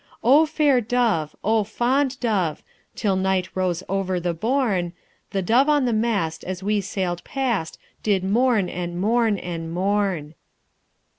O fair dove! O fond dove! Till night rose over the bourne, The dove on the mast as we sailed past, Did mourn, and mourn, and mourn."